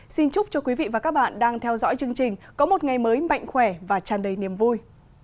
xin chúc cho quý vị và các bạn đang theo dõi chương trình có một ngày mới mạnh khỏe và tràn đầy niềm vui